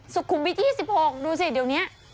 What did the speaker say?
สุขุมวิท๒๖ดูสิเดี๋ยวนี้